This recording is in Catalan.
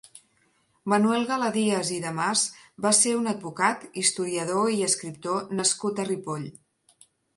Manuel Galadies i de Mas va ser un advocat, historiador i escriptor nascut a Ripoll.